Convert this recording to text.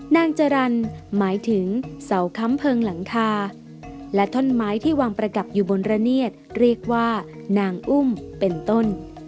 นางจรรย์หมายถึงเสาค้ำเพลิงหลังคาและท่อนไม้ที่วางประกับอยู่บนระเนียดเรียกว่านางอุ้มเป็นต้น